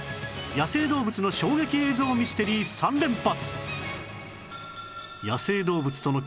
野生動物の衝撃映像ミステリー３連発！